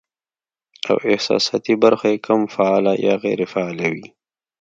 او احساساتي برخه ئې کم فعاله يا غېر فعاله وي